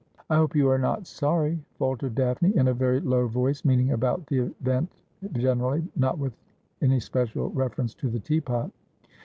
' I hope you are not sorry,' faltered Daphne in a very low voice, meaning about the event generally, not with any special reference to the teapot.